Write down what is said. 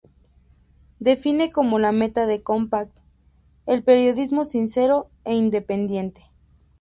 Define como la meta de Compact el periodismo sincero e independiente.